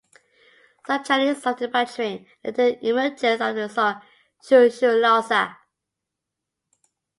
Such journeys, often by train, led to the emergence of the song Shosholoza.